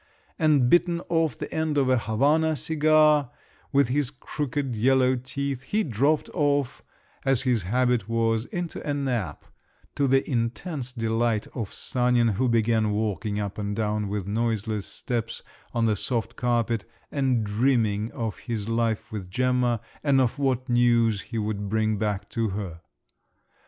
and bitten off the end of a Havannah cigar with his crooked yellow teeth, he dropped off, as his habit was, into a nap, to the intense delight of Sanin, who began walking up and down with noiseless steps on the soft carpet, and dreaming of his life with Gemma and of what news he would bring back to her.